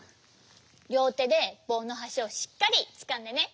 りょうてでぼうのはしをしっかりつかんでね。